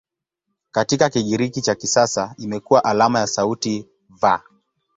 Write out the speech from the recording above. Katika Kigiriki cha kisasa imekuwa alama ya sauti "V".